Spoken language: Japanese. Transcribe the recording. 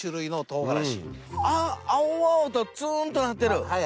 青々とツンとなってる。